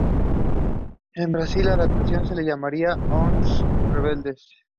En Brasil, la adaptación se llamaría "Os Rebeldes".